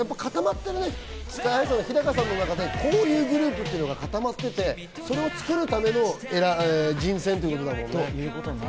ＳＫＹ−ＨＩさんの中でこういうグループっていうのは固まっていて、それを作るための人選ってことだもんね。